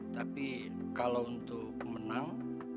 tapi kalau untuk menang